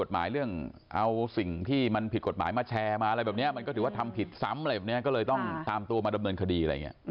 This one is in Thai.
หรือว่าทำผิดซ้ำแบบนี้ก็เลยต้องตามตัวมาดำเนินคดี